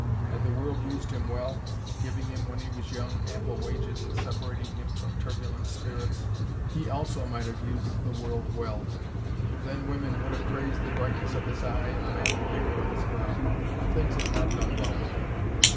Had the world used him well, giving him when he was young ample wages and separating him from turbulent spirits, he also might have used the world well; and then women would have praised the brightness of his eye and the manly vigour of his brow. But things had not gone well with him.